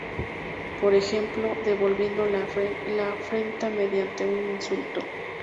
Por ejemplo, devolviendo la afrenta mediante un insulto.